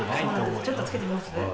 ちょっと着けてみます？